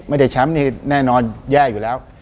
ไม่ได้แชมป์นี่แน่นอนแย่อยู่แล้ว